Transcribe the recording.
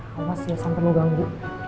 kamu masih sampe lo ganggu